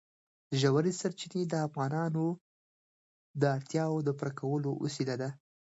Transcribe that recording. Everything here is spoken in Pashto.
ژورې سرچینې د افغانانو د اړتیاوو د پوره کولو وسیله ده.